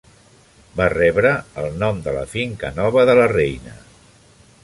Va rebre el nom de la finca nova de la reina.